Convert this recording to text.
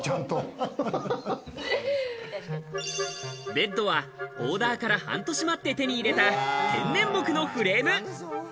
ベッドはオーダーから半年待って手にいれた天然木のフレーム。